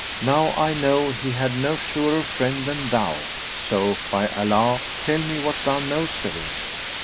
Now I know he had no surer friend than thou; so, by Allah, tell me what thou knowest of him."